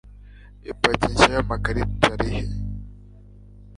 Iyo paki nshya yamakarita arihe